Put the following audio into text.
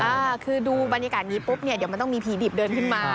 อ่าคือดูบรรยากาศนี้ปุ๊บเนี่ยเดี๋ยวมันต้องมีผีดิบเดินขึ้นมา